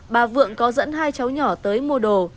bà vượng có dẫn hai cháu nhỏ tới mua đồ